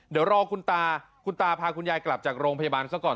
เดี๋ยวรอคุณตาคุณตาพาคุณยายกลับจากโรงพยาบาลซะก่อน